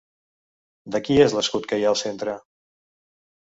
De qui és l'escut que hi ha al centre?